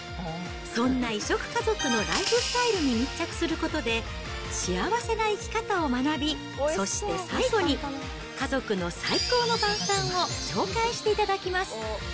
そんな異色家族のライフスタイルに密着することで、幸せな生き方を学び、そして最後に家族の最高の晩さんを紹介していただきます。